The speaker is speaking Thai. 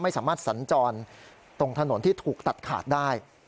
ไม่สามารถสัญจรตรงถนนที่ถูกตัดขาดได้